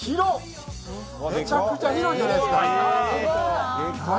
めちゃくちゃ広いじゃないですか。